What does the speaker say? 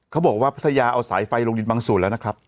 เขาบอกว่าปฏิสัยาเอาสายไฟลงดินบางศูนย์แล้วนะครับ